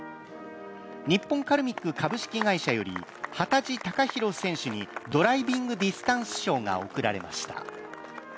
日本カルミック株式会社より幡地隆寛選手にドライビングディスタンス賞が贈られました。